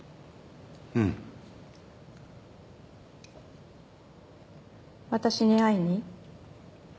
うん私に会いに？